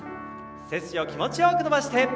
背筋を気持ちよく伸ばして。